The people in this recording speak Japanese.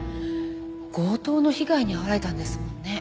強盗の被害に遭われたんですもんね。